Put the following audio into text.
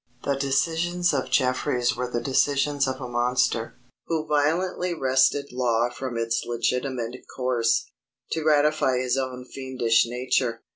The decisions of Jeffries were the decisions of a monster, who violently wrested law from its legitimate course, to gratify his own fiendish nature.